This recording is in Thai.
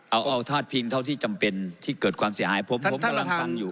เอาพาดพิงเท่าที่จำเป็นที่เกิดความเสียหายผมผมกำลังฟังอยู่